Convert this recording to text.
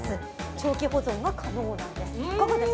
長期保存が可能なんです。